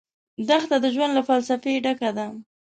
دښته د ژوند له فلسفې ډکه ده.